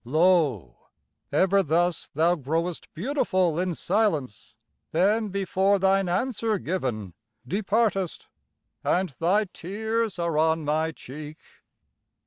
Lo! ever thus thou growest beautiful In silence, then before thine answer given Departest, and thy tears are on my cheek.